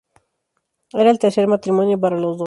Era el tercer matrimonio para los dos.